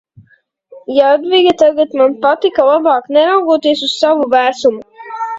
Jadviga tagad man patika labāk, neraugoties uz savu vēsumu.